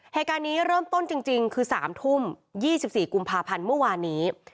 เหตุการณ์นี้เริ่มต้นจริงคือ๓ทุ่ม๒๔กุมภาพันธ์เมื่อวานนี้